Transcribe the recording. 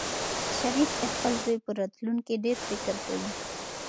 شریف د خپل زوی په راتلونکي ډېر فکر کوي.